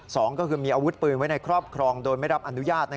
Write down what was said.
สองก็คือมีอาวุธปืนไว้ในครอบครองโดยไม่รับอนุญาต